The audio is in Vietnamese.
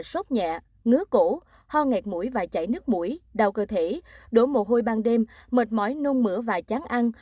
sốt nhẹ ngứa cổ ho ngạt mũi và chảy nước mũi đau cơ thể đổ mồ hôi ban đêm mệt mỏi nung mửa và chán ăn